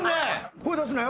声出すなよ。